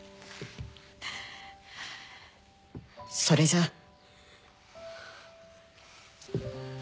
それじゃ。